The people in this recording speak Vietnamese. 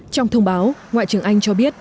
trong thông báo ngoại trưởng anh cho biết